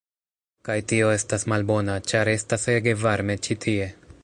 kaj tio estas malbona, ĉar estas ege varme ĉi tie